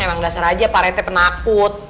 emang dasar aja pak rt penakut